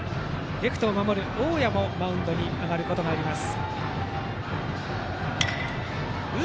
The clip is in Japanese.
レフトを守る大矢もマウンドに上がることがあります。